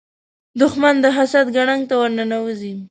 دښمن د حسد ګړنګ ته ورننوځي